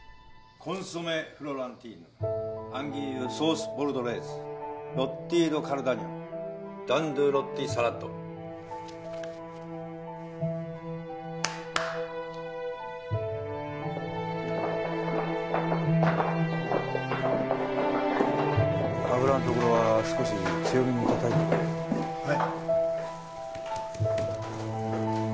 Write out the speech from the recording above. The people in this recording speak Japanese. コンソメ・フロランティーヌアンギーユソース・ボルドレーズロッティード・カルダニアンバンドゥ・ロッティ・サラド脂んところは少し強めにたたいてくれはい